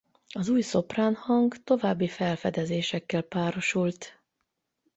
Az új szoprán hang további felfedezésekkel párosult.